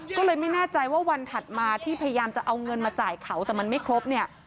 ก็เลยไม่แน่ใจว่าวันถัดมาที่พยายามจะเอาเงินมาจ่ายเขาแต่มันไม่ครบเนี่ย